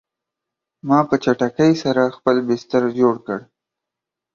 ما په چټکۍ سره خپل بستر جوړ کړ